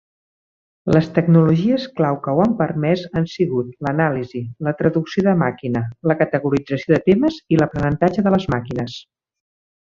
Les tecnologies clau que ho han permès han sigut l'anàlisi, la traducció de màquina, la categorització de temes i l'aprenentatge de les màquines.